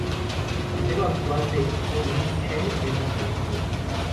El paradero actual de Hon-Ming Chen es desconocido.